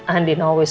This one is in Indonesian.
andin selalu hidup